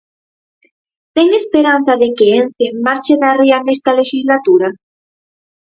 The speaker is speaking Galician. Ten esperanza de que Ence marche da ría nesta lexislatura?